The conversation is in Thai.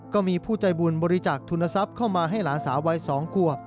ก็มีผู้ใจบุญบริจาคทุนทรัพย์เข้ามาให้หลานสาววัย๒ขวบ